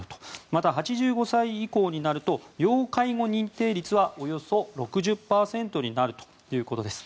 また、８５歳以降になると要介護認定率は、およそ６０％になるということです。